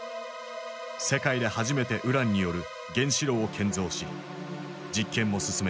世界で初めてウランによる原子炉を建造し実験も進めていた。